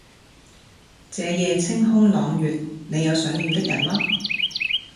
這夜清空朗月，你有想念的人嗎